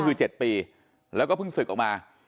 คือ๗ปีแล้วก็เพิ่งศึกออกมา